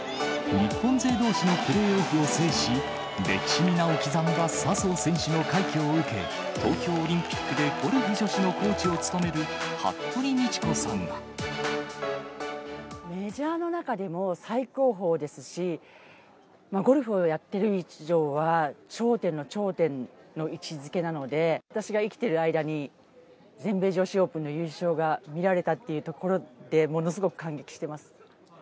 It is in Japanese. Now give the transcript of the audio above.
日本勢どうしのプレーオフを制し、歴史に名を刻んだ笹生選手の快挙を受け、東京オリンピックでゴルフ女子のコーチを務める服部道子さんは。メジャーの中でも最高峰ですし、ゴルフをやってる以上は、頂点の頂点の位置づけなので、私が生きてる間に、全米女子オープンの優勝が見られたというところで、ものすごく感